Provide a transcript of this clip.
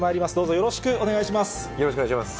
よろしくお願いします。